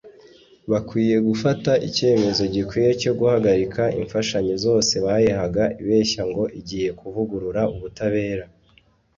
Bakwiye gufata icyemezo gikwiye cyo guhagalika imfashanyo zose bayihaga ibeshya ngo igiye kuvugurura ubutabera